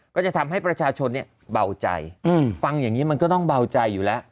ก็จะทำให้ประชาชนเนี่ยเบาใจฟังอย่างนี้มันก็ต้องเบาใจอยู่แล้ว